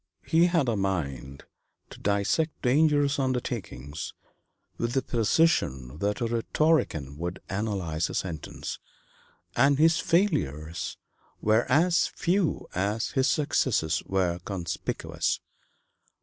He had a mind to dissect dangerous undertakings with the precision that a rhetorician would analyze a sentence, and his failures were as few as his successes were conspicuous.